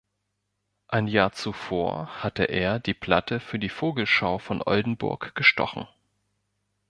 Ein Jahr zuvor hatte er die Platte für die Vogelschau von Oldenburg gestochen.